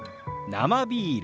「生ビール」。